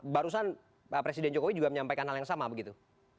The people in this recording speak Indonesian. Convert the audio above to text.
barusan presiden jokowi juga menyampaikan hal yang sama begitu